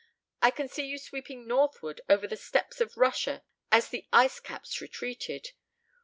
I can see you sweeping northward over the steppes of Russia as the ice caps retreated